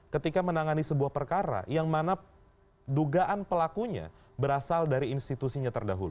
ketika menangani sebuah perkara yang mana dugaan pelakunya berasal dari institusinya terdahulu